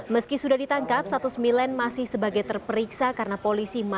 meski sudah ditangkap status milen masih sebagai terperiksa karena polisi masih